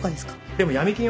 でも闇金はね